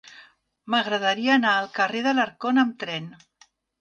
M'agradaria anar al carrer d'Alarcón amb tren.